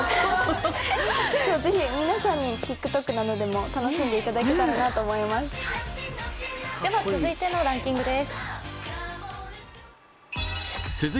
ぜひ皆さんにＴｉｋＴｏｋなどでも楽しんでいただけたらと思います。